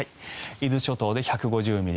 伊豆諸島で１５０ミリ